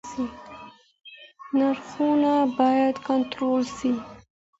نرخونه بايد کنټرول سي.